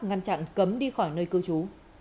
ngăn chặn cấm đi khỏi nơi cư chú